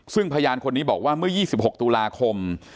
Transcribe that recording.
ซึ่งพยานคนนี้บอกว่าเมื่อ๒๖ตุลาคม